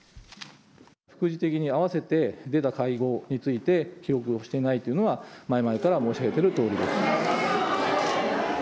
副次的に併せて出た会合について、記憶をしていないというのは、前々から申し上げているとおりです。